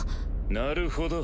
なるほど。